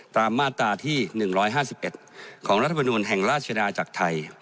ตามมาตราที่หนึ่งร้อยห้าสิบเอ็ดของรัฐบนูลแห่งราชดาจากไทย